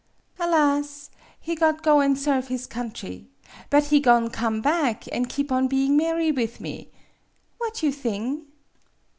"Alas! he got go an' serve his country. But he go'n' come back, an' keep on being marry with me. What you thing